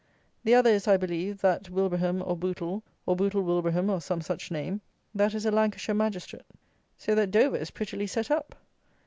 The other is, I believe, that Wilbraham or Bootle or Bootle Wilbraham, or some such name, that is a Lancashire magistrate. So that Dover is prettily set up.